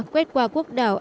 quét qua quốc đảo